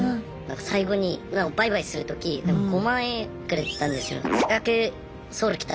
最後にバイバイする時５万円くれたんですよ。